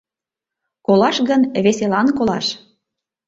— Колаш гын — веселан колаш!